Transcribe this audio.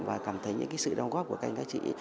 và cảm thấy những cái sự đóng góp của các anh các chị